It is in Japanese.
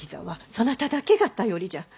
そなただけが頼りじゃ。